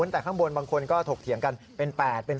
แต่ข้างบนบางคนก็ถกเถียงกันเป็น๘เป็น